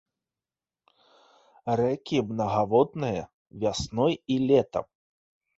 Рэкі мнагаводныя вясной і летам.